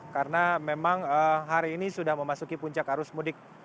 karena memang hari ini sudah memasuki puncak arus mudik